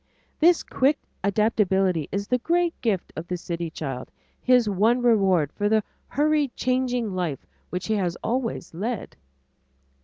This quick adaptability is the great gift of the city child, his one reward for the hurried changing life which he has always led.